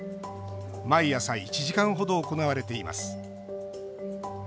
毎朝１時間ほど行われています。